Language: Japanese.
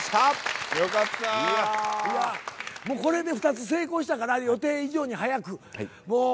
これで２つ成功したから予定以上に早く。